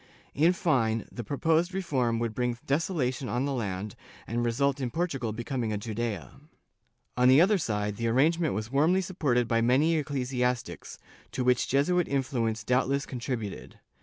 In fine, the proposed reform would bring desolation on the land and result in Portugal becoming a Judea. On the other side, the arrangement was warmly supported by many ecclesiastics, to which Jesuit influence doubtless contributed.